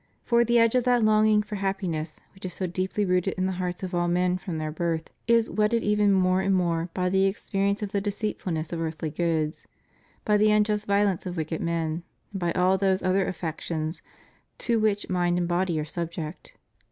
For the edge of that longing for happiness which is so deeply rooted in the hearts of all men from their birth is whetted even more and more by the experience of the deceitfulness of earthly goods, by the unjust violence of wicked men, and by all those other affictions to which mind and body are subject.